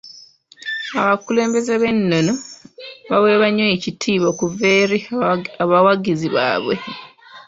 Abakulembeze ab'ennono baweebwa nnyo ekitiibwa okuva eri abawagizi baabwe.